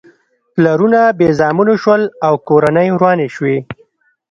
پلرونه بې زامنو شول او کورنۍ ورانې شوې.